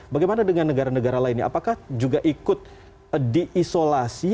bagaimana dengan negara negara lainnya apakah juga ikut diisolasi